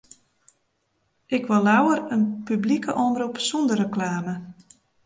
Ik wol leaver in publike omrop sonder reklame.